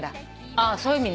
あーそういう意味ね。